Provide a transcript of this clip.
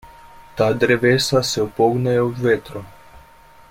Ta drevesa se upognejo v vetru.